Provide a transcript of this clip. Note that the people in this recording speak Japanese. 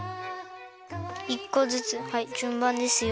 １こずつはいじゅんばんですよ。